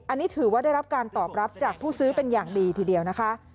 อันนี้ถือว่าได้รับการตอบรับจากผู้ซื้อเป็นอย่างดีทีเดียวนะคะ